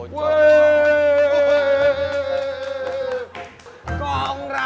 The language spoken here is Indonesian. wih yaudah yaudah yaudah